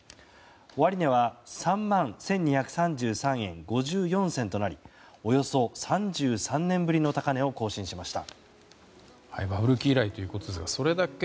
終値は３万１２３３円５４銭となりおよそ３３年ぶりの高値を更新しました。